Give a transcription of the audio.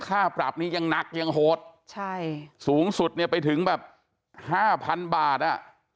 ค่าปรับนี้ยังหนักยังโหดใช่สูงสุดเนี่ยไปถึงแบบห้าพันบาทอ่ะ